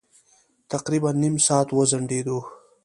تقريباً نيم ساعت وځنډېدو.